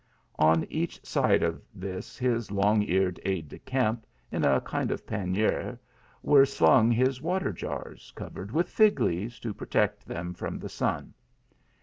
On each side of this his long eared aid de camp, in a kind of pan nier, were slung his water jars covered with fig leaves to protect them from the sun.